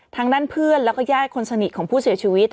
ทางด้านเพื่อนแล้วก็ญาติคนสนิทของผู้เสียชีวิต